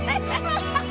ハハハハ！